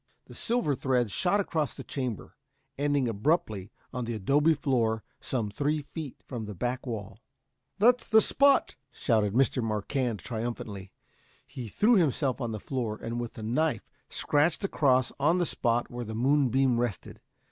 The silver thread shot across the chamber, ending abruptly on the adobe floor some three feet from the back wall. "That's the spot!" shouted Mr. Marquand triumphantly. He threw himself on the floor, and with his knife scratched a cross on the spot where the moonbeam rested.